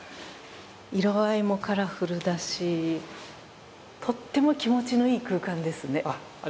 色合いもカラフルだし、とっても気持ちのいい空間ですね。